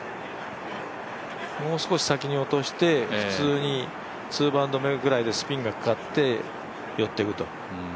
もう少し先に落として、普通に２バウンド目ぐらいでスピンがかかって、寄っていくと。